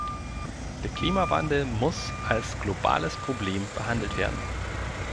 Der Klimawandel muss als globales Problem behandelt werden.